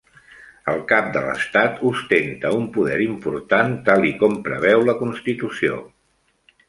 El cap de l'estat ostenta un poder important tal i com preveu la constitució.